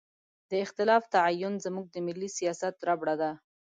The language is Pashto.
د اختلاف تعین زموږ د ملي سیاست ربړه ده.